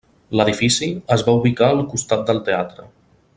L'edifici es va ubicar al costat del teatre.